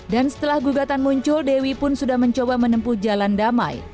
dan setelah gugatan muncul dewi pun sudah mencoba menempuh jalan damai